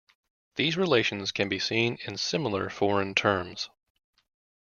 These relations can be seen in similar foreign terms.